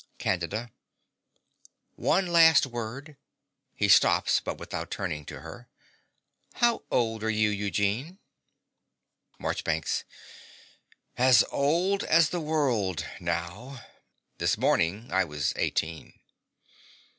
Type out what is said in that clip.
CANDIDA. One last word. (He stops, but without turning to her.) How old are you, Eugene? MARCHBANKS. As old as the world now. This morning I was eighteen.